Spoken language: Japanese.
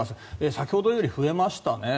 先ほどより増えましたね。